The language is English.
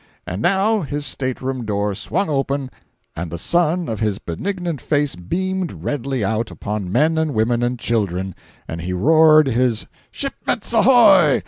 —And now, his state room door swung open and the sun of his benignant face beamed redly out upon men and women and children, and he roared his "Shipmets a'hoy!"